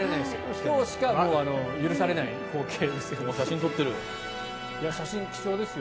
今日しか許されない光景ですよ。